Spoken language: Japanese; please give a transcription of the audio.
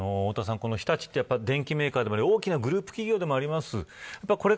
太田さん、日立って電機メーカーでもあり、大きなグループ企業でもあります。